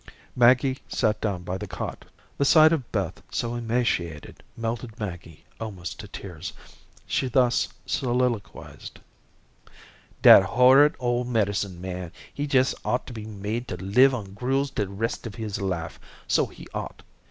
Maggie sat down by the cot. The sight of Beth so emaciated melted Maggie almost to tears. She thus soliloquized: "Dat horrid ole medicine man, he jes' ought to be made to live on gruels de rest of his life, so he ought.